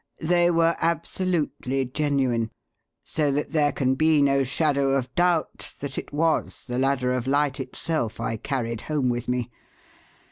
They were absolutely genuine; so that there can be no shadow of doubt that it was the Ladder of Light itself I carried home with me.